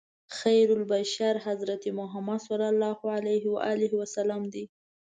خیرالبشر حضرت محمد صلی الله علیه وسلم دی.